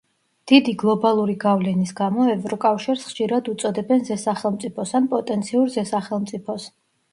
დიდი გლობალური გავლენის გამო, ევროკავშირს ხშირად უწოდებენ ზესახელმწიფოს ან პოტენციურ ზესახელმწიფოს.